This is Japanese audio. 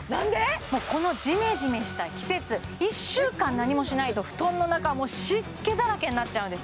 このジメジメした季節１週間何もしないと布団の中は湿気だらけになっちゃうんです